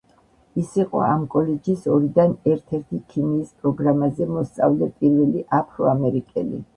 ის იყო ამ კოლეჯის ორიდან ერთ-ერთი ქიმიის პროგრამაზე მოსწავლე პირველი აფრო-ამერიკელი.